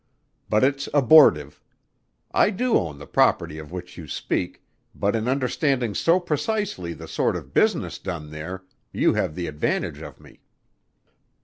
But it's abortive. I do own the property of which you speak, but in understanding so precisely the sort of business done there, you have the advantage of me.